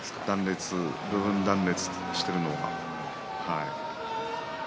部分断裂しているのは。